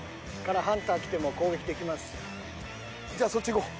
じゃあそっち行こう。